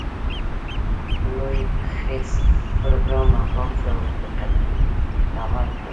لوی خیز پروګرام ناکام شو او د قحطي لامل ګړ.